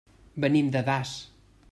Venim de Das.